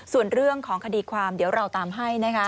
ส่วนเรื่องของคดีความเดี๋ยวเราตามให้นะคะ